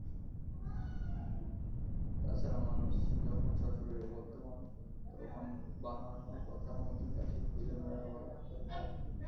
তা ছাড়া মানুষ যখন সশরীরে বর্তমান তখন বানানো কথার মধ্যে তাকে খুঁজে বেড়াবার দরকার?